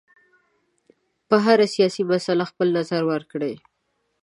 په هره سیاسي مسله خپل نظر ورکړي.